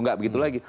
enggak begitu lagi